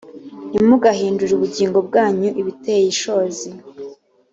ntimugahindure ubugingo bwanyu ibiteye ishozi